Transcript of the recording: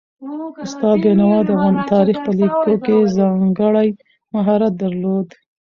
استاد بینوا د تاریخ په لیکلو کې ځانګړی مهارت درلود